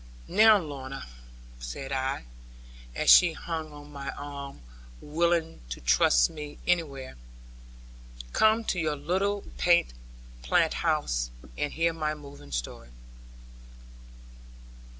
'Now, Lorna,' said I, as she hung on my arm, willing to trust me anywhere, 'come to your little plant house, and hear my moving story.'